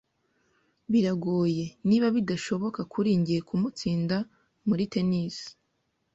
Biragoye, niba bidashoboka, kuri njye kumutsinda muri tennis.